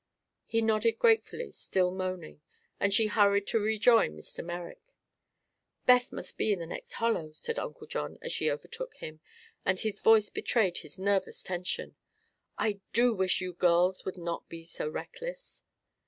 He nodded gratefully, still moaning, and she hurried to rejoin Mr. Merrick. "Beth must be in the next hollow," said Uncle John as she overtook him, and his voice betrayed his nervous tension. "I do wish you girls would not be so reckless."